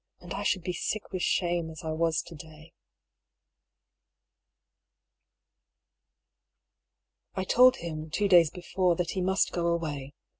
and I should be sick with shame, as I was to day. I told him, two days before, that he must go away.